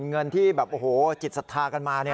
เงินที่แบบโอ้โหจิตศรัทธากันมา